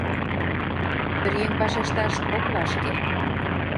Пӧръеҥ вашешташ ок вашке.